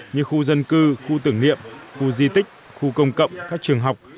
như khu dân cư khu tưởng niệm khu di tích khu công cộng các trường học